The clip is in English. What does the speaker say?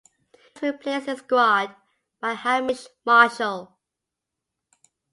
He was replaced in the squad by Hamish Marshall.